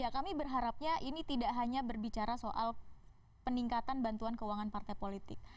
kami berharapnya ini tidak hanya berbicara soal peningkatan bantuan keuangan partai politik